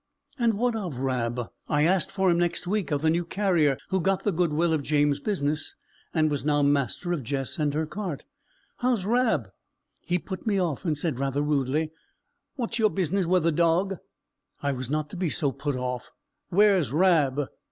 And what of Rab? I asked for him next week of the new carrier who got the goodwill of James's business, and was now master of Jess and her cart. "How's Rab?" He put me off, and said rather rudely, "What's your business wi' the dowg?" I was not to be so put off. "Where's Rab?"